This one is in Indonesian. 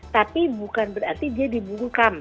tapi bukan berarti dia dibungkam